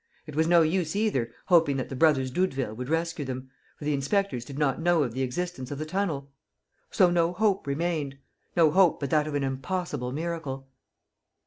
It was no use either hoping that the brothers Doudeville would rescue them, for the inspectors did not know of the existence of the tunnel. So no hope remained ... no hope but that of an impossible miracle.